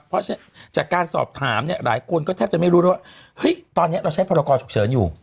เพราะฉะนั้นจากการสอบถามเนี่ยหลายคนก็แทบจะไม่รู้แล้วว่าเฮ้ยตอนนี้เราใช้พรกรฉุกเฉินอยู่